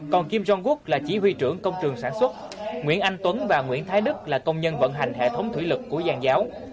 còn kim jong quốc là chỉ huy trưởng công trường sản xuất nguyễn anh tuấn và nguyễn thái đức là công nhân vận hành hệ thống thủy lực của giàn giáo